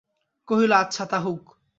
কহিল, আচ্ছা, তা হউক।